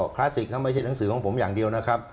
คลาสสิกไม่ใช่หนังสือของผมอย่างเดียวนะครับ